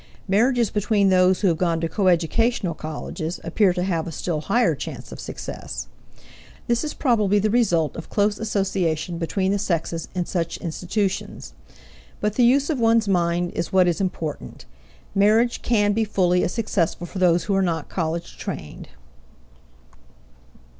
Marriages between those who have gone to coeducational colleges appear to have a still higher chance of success. This is probably the result of close association between the sexes in such institutions. But the use of one's mind is what is important; marriage can be fully as successful for those who are not college trained.